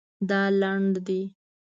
دا لنډ دی